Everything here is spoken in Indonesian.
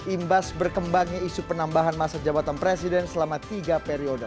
imbas berkembangnya isu penambahan masa jabatan presiden selama tiga periode